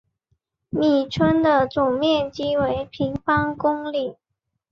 米村的总面积为平方公里。